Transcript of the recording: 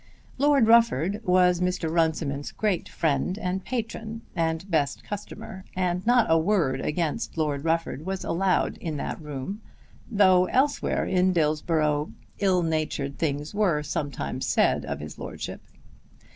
Lord Rufford was Mr. Runciman's great friend and patron and best customer, and not a word against Lord Rufford was allowed in that room, though elsewhere in Dillsborough ill natured things were sometimes said of his lordship.